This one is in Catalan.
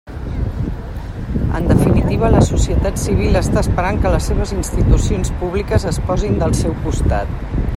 En definitiva, la societat civil està esperant que les seves institucions públiques es posin del seu costat.